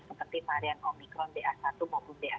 seperti varian omikron ba satu maupun ba